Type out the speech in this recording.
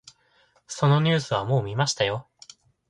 そのニュースはもう見ましたよ。